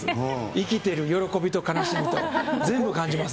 生きている喜びと悲しみと全部感じます。